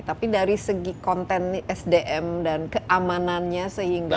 tapi dari segi konten sdm dan keamanannya sehingga